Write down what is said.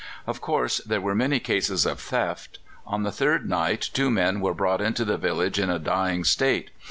Of course there were many cases of theft. On the third night two men were brought into the village in a dying state.